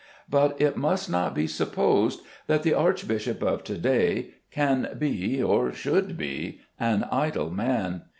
But it must not be supposed that the archbishop of to day can be, or should be, an idle man.